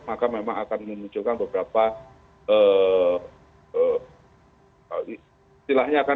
maka memang akan memunculkan beberapa